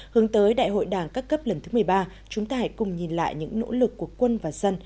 hướng tới đại hội đảng các cấp lần thứ một mươi ba chúng ta hãy cùng nhìn lại những nỗ lực của quân và dân